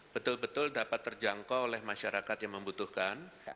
betul betul dapat terjangkau oleh masyarakat yang membutuhkan